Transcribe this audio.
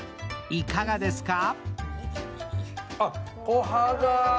いかがですか？